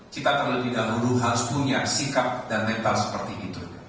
kita terlebih dahulu harus punya sikap dan mental seperti itu